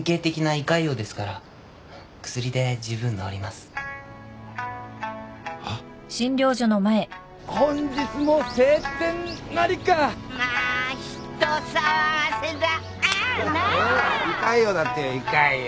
胃潰瘍だってよ。